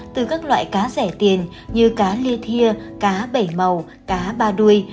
từ các loại cá rẻ tiền như cá lia thia cá bảy màu cá ba đuôi